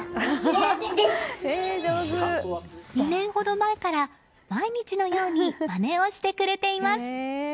２年ほど前から毎日のようにまねをしてくれています。